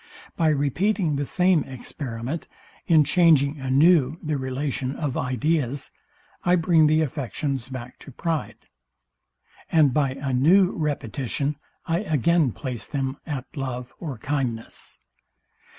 By repeating the same experiment, in changing anew the relation of ideas, I bring the affections back to pride; and by a new repetition I again place them at love or kindness.